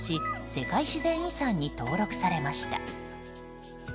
世界自然遺産に登録されました。